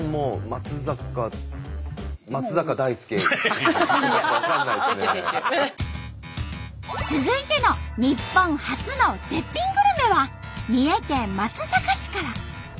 まつざか続いての日本初の絶品グルメは三重県松阪市から。